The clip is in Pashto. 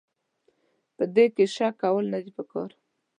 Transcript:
په دې کې شک کول نه دي پکار.